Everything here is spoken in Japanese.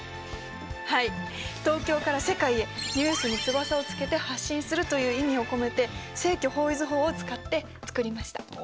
はい東京から世界へニュースに翼をつけて発信するという意味を込めて正距方位図法を使って作りました。